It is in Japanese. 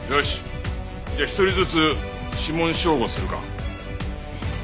じゃあ１人ずつ指紋照合するか。